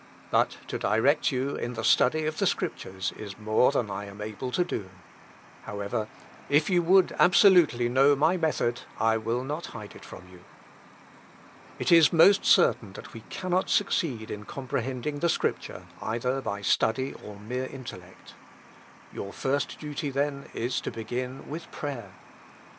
But to direct you in the study of the Scriptures is more than I am able to do. However, if you would absolutely know my method, I will not hide it from you. "It is most certain that we cannot succeed in comprehending the Scripture either by study or mere intellect. Your first duty, then, is to begin with prayer.